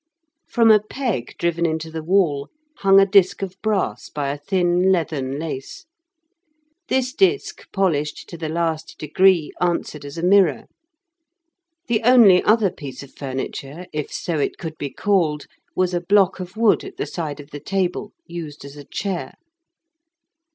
From a peg driven into the wall hung a disc of brass by a thin leathern lace; this disc, polished to the last degree, answered as a mirror. The only other piece of furniture, if so it could be called, was a block of wood at the side of the table, used as a chair.